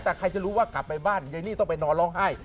แต่ใครจะรู้ว่ากลับไปบ้านยายนี่ต้องไปนอนร้องไห้